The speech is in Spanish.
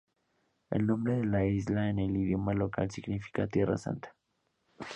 El nombre de la isla en el idioma local significa "tierra santa".